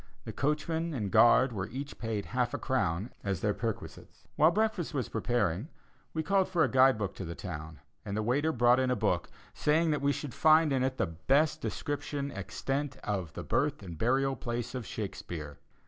The coachman and guard were each paid half a crown as their perquisites. While breakfast was preparing, we called for a guide book to the town, and the waiter brought in a book, saying that we should find in it the best description extant of the birth and burial place of Shakespeare.